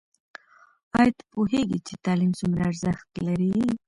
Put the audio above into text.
ایا ته پوهېږې چې تعلیم څومره ارزښت لري؟